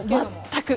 全く。